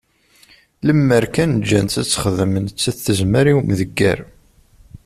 Lemmer kan ǧǧan-tt ad texdem, nettat tezmer i umdegger.